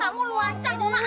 kamu luancang mak